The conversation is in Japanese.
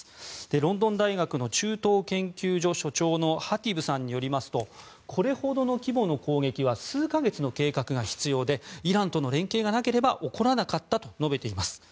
ロンドン大学の中東研究所所長のハティブさんによりますとこれほどの規模の攻撃は数か月の計画が必要でイランとの連携がなければ起こらなかったと述べています。